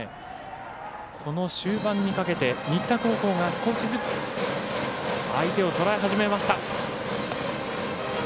この終盤にかけて新田高校が少しずつ相手をとらえ始めました。